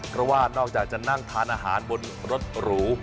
เพราะว่านอกจากจะนั่งทานอาหารบนรถหรู